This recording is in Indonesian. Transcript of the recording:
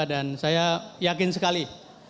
dan saya yakin sekali